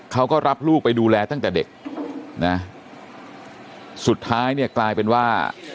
เขาก็รับลูกไปดูแลตั้งแต่เด็กนะสุดท้ายเนี่ยกลายเป็นว่า